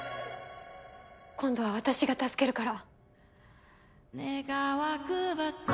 今度は私が助けるから。